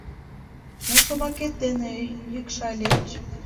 Мо шомакет дене йӱкшальыч?